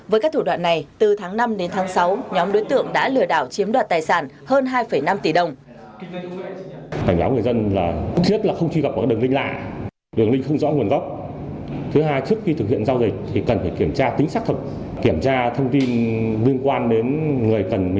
với các thủ đoạn này từ tháng năm đến tháng sáu nhóm đối tượng đã lừa đảo chiếm đoạt tài sản hơn hai năm tỷ đồng